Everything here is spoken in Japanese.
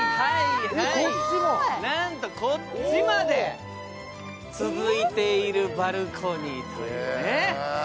なんと、こっちまで続いているバルコニーというね。